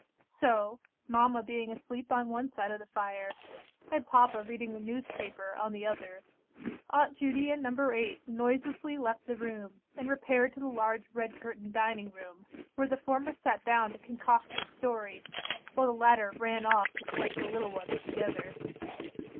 So, mamma being asleep on one side of the fire, and papa reading the newspaper on the other, Aunt Judy and No. 8 noiselessly left the room, and repaired to the large red curtained dining room, where the former sat down to concoct her story, while the latter ran off to collect the little ones together.